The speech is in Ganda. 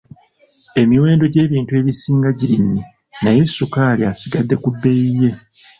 Emiwendo gy'ebintu ebisinga girinnye naye ssukaali asigadde ku bbeeyi ye.